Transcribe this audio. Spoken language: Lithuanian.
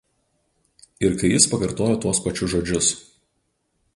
ir kai jis pakartojo tuos pačius žodžius